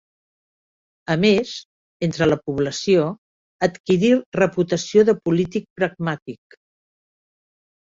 A més, entre la població adquirí reputació de polític pragmàtic.